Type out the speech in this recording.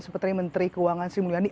seperti menteri keuangan sri mulyani